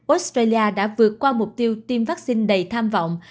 australia đã vượt qua mục tiêu tiêm vaccine đầy tham vọng